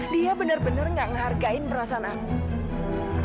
dia bener bener gak ngehargain perasaan aku